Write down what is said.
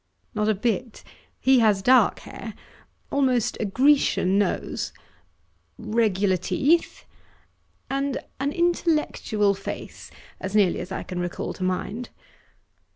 'Not a bit. He has dark hair almost a Grecian nose, regular teeth, and an intellectual face, as nearly as I can recall to mind.